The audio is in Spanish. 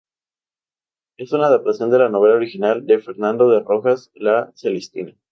Es una adaptación de la novela original de Fernando de Rojas, "La Celestina".